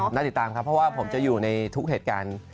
น่าติดตามครับเพราะว่าผมจะอยู่ในทุกเหตุการณ์